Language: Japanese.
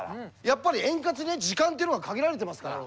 やっぱり円滑に時間っていうのが限られてますから。